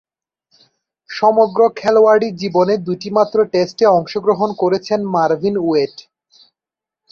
সমগ্র খেলোয়াড়ী জীবনে দুইটিমাত্র টেস্টে অংশগ্রহণ করেছেন মারভিন ওয়েট।